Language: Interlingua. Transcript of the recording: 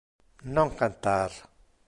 Non cantar.